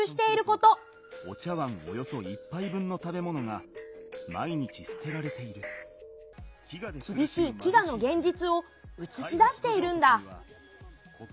お茶わんおよそ１杯分の食べ物が毎日捨てられているきびしい飢餓のげんじつをうつし出しているんだ。